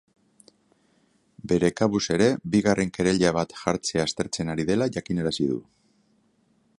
Bere kabuz ere bigarren kereila bat jartzea aztertzen ari dela ere jakinarazi du.